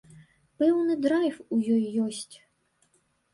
Пэўны драйв у ёй ёсць.